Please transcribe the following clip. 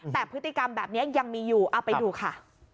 แต่พฤติกรรมแบบนี้ยังมีอยู่เอาไปดูค่ะ